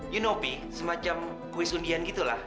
you know pi semacam kuis undian gitulah